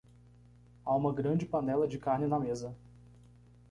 Há uma grande panela de carne na mesa.